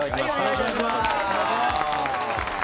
古田：よろしくお願いします。